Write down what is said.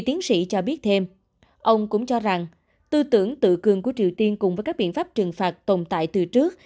tư tưởng tự cường của triều tiên cùng với các biện pháp trừng phạt tồn tại từ trước